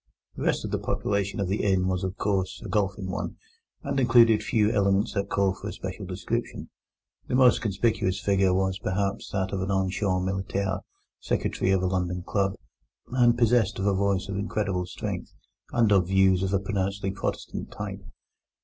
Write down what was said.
The rest of the population of the inn was, of course, a golfing one, and included few elements that call for a special description. The most conspicuous figure was, perhaps, that of an ancien militaire, secretary of a London club, and possessed of a voice of incredible strength, and of views of a pronouncedly Protestant type.